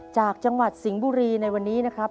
จากจังหวัดสิงห์บุรีในวันนี้นะครับ